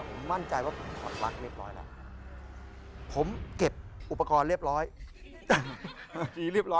ผมมั่นใจว่าผมถอดปลั๊กเรียบร้อยแล้วผมเก็บอุปกรณ์เรียบร้อย